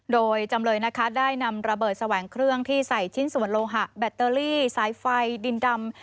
โดยจำเลยนะคะได้นำระเบิดแสวงเครื่องที่ใส่ชิ้นส่วนโลหะแบตเตอรี่สายไฟดินดำ